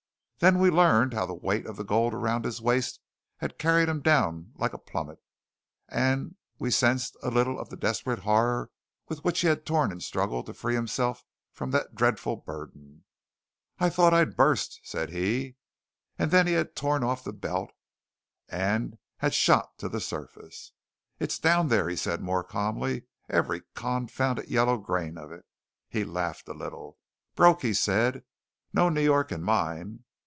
Then we learned how the weight of the gold around his waist had carried him down like a plummet; and we sensed a little of the desperate horror with which he had torn and struggled to free himself from that dreadful burden. "I thought I'd burst!" said he. And then he had torn off the belt, and had shot to the surface. "It's down there," he said more calmly, "every confounded yellow grain of it." He laughed a little. "Broke!" said he. "No New York in mine!"